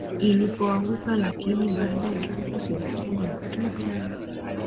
ilipoanguka Lakini baada ya siku thelathini na sita